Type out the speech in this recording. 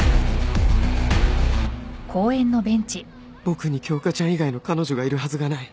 僕に京花ちゃん以外の彼女がいるはずがない